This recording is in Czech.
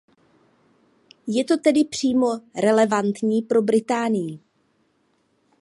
Je to tedy přímo relevantní pro Británii.